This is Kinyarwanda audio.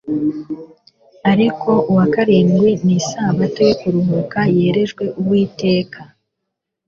ariko uwa karindwi ni isabato yo kuruhuka yerejwe Uwiteka